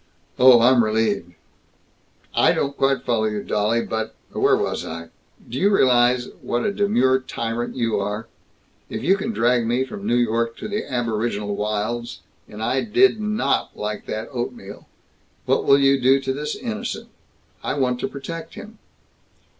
"Oh! I'm relieved." "I don't quite follow you, dolly, but Where was I? Do you realize what a demure tyrant you are? If you can drag me from New York to the aboriginal wilds, and I did not like that oatmeal, what will you do to this innocent? I want to protect him!"